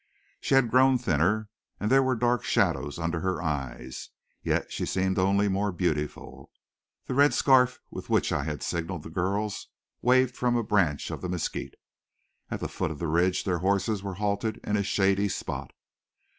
She had grown thinner, and there were dark shadows under her eyes, yet she seemed only more beautiful. The red scarf with which I had signaled the girls waved from a branch of the mesquite. At the foot of the ridge their horses were halted in a shady spot.